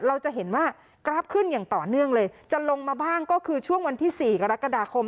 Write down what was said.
เราจะเห็นว่ากราฟขึ้นอย่างต่อเนื่องเลยจะลงมาบ้างก็คือช่วงวันที่สี่กรกฎาคม